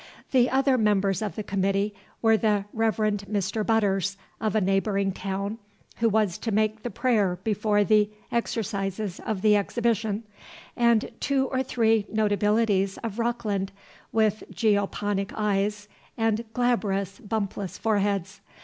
The other members of the Committee were the Reverend Mr. Butters, of a neighboring town, who was to make the prayer before the Exercises of the Exhibition, and two or three notabilities of Rockland, with geoponic eyes, and glabrous, bumpless foreheads.